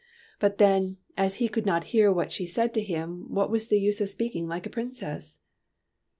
But then, as he could not hear what she said to him, what was the use of speaking like a princess